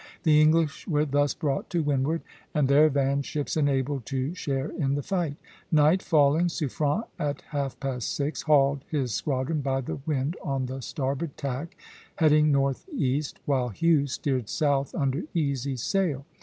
The English were thus brought to windward, and their van ships enabled to share in the fight. Night falling, Suffren, at half past six, hauled his squadron by the wind on the starboard tack, heading northeast, while Hughes steered south under easy sail.